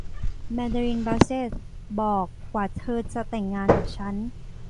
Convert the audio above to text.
แมเดอรีน บาสเซทบอกกว่าเธอจะแต่งงานกับฉัน